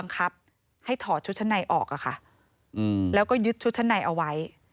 น้องเขาเลยบอกว่าเนี่ยต้องกอดกระเป๋า